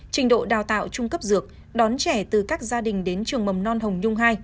trình độ đào tạo trung cấp dược đón trẻ từ các gia đình đến trường mầm non hồng nhung hai